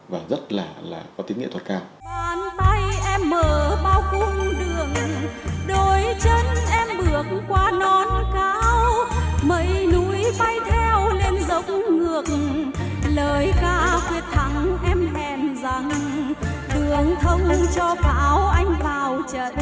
và rất là là có tính nghệ thuật cao